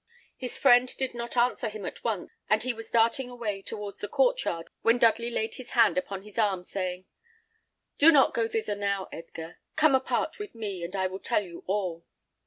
His friend did not answer him at once, and he was darting away towards the court yard, when Dudley laid his hand upon his arm, saying, "Do not go thither now, Edgar. Come apart with me, and I will tell you all."